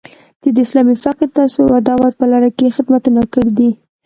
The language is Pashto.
چې د اسلامي فقې، تصوف او دعوت په لاره کې یې خدمتونه کړي دي